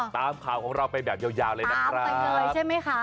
ตามข่าวของเราไปแบบยาวเลยนะครับ